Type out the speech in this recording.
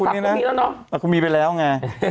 แล้วก็มีไปแล้วไง